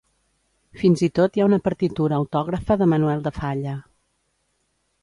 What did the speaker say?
Fins i tot hi ha una partitura autògrafa de Manuel de Falla.